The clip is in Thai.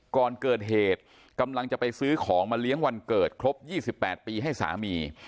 ก่อนเกิดเหตุกำลังจะไปซื้อของมาเลี้ยงวันเกิดครบ๒๘ปีให้สามี